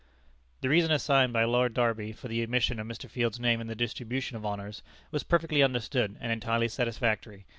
The reason assigned by Lord Derby for the omission of Mr. Field's name in the distribution of honors, was perfectly understood and entirely satisfactory.